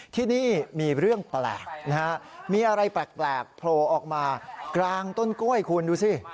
ที่นี่มีเรื่องแปลกนะฮะมีอะไรแปลกโผล่ออกมากลางต้นกล้วยคุณดูสิ